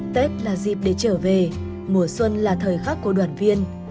tết là dịp để trở về mùa xuân là thời khắc của đoàn viên